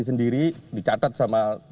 sendiri dicatat sama